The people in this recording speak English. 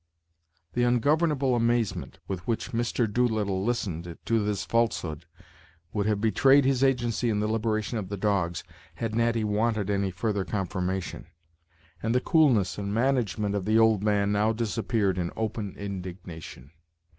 The ungovernable amazement with which Mr. Doolittle listened to this falsehood would have betrayed his agency in the liberation of the dogs, had Natty wanted any further confirmation; and the coolness and management of the old man now disappeared in open indignation.